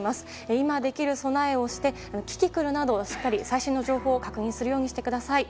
今できる備えをしてキキクルなど最新の情報を確認するようにしてください。